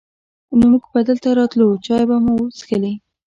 نو مونږ به دلته راتلو، چای به مو چښلې.